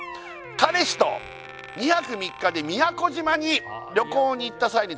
「彼氏と２泊３日で宮古島に旅行に行った際に食べた」